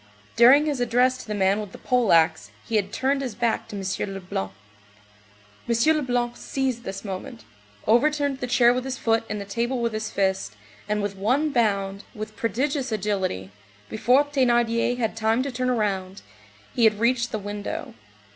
During his address to the man with the pole axe, he had turned his back to M. Leblanc. M. Leblanc seized this moment, overturned the chair with his foot and the table with his fist, and with one bound, with prodigious agility, before Thénardier had time to turn round, he had reached the window.